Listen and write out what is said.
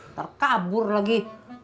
ntar kabur lagi